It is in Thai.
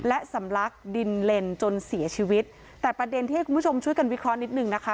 และสำลักดินเลนจนเสียชีวิตแต่ประเด็นที่ให้คุณผู้ชมช่วยกันวิเคราะห์นิดนึงนะคะ